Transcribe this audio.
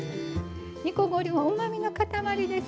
煮こごりもうまみの塊です。